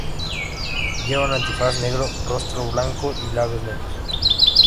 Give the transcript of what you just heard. Lleva un antifaz negro, rostro blanco y labios negros.